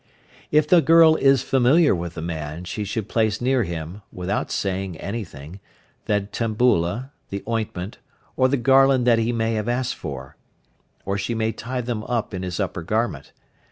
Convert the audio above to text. If the girl is familiar with the man, she should place near him, without saying anything, the tambula, the ointment, or the garland that he may have asked for, or she may tie them up in his upper garment.